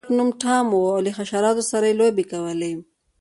د هلک نوم ټام و او له حشراتو سره یې لوبې کولې.